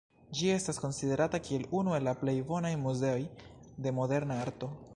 Ĝi estas konsiderata kiel unu el la plej bonaj muzeoj de moderna arto.